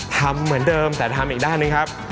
ทำเหมือนเดิมแต่ทำอีกด้านหนึ่งครับ